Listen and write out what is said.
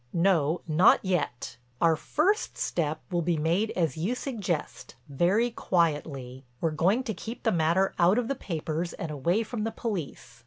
"No, not yet. Our first step will be made as you suggest, very quietly. We're going to keep the matter out of the papers and away from the police.